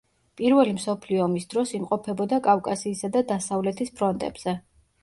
პირველი მსოფლიო ომის დროს იმყოფებოდა კავკასიისა და დასავლეთის ფრონტებზე.